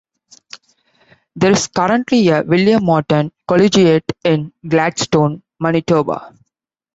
There is currently a William Morton Collegiate in Gladstone, Manitoba.